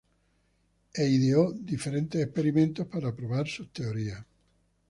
E ideó diferentes experimentos para probar sus teorías.